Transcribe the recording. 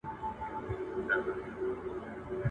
استوا د ځمکې منځنۍ کرښه ده.